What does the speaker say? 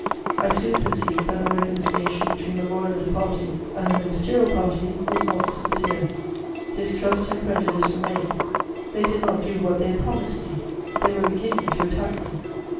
I soon perceived that the reconciliation between the Royalist Party and the Ministerial Party was not sincere; distrust and prejudice remained; they did not do what they had promised me: they were beginning to attack me.